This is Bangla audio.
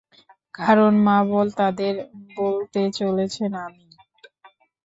কারণ মাবল তাদের বলতে চলেছে আমি?